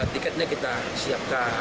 tiketnya kita siapkan